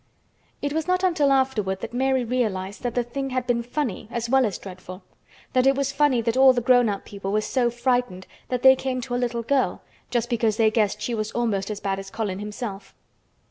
It was not until afterward that Mary realized that the thing had been funny as well as dreadful—that it was funny that all the grown up people were so frightened that they came to a little girl just because they guessed she was almost as bad as Colin himself.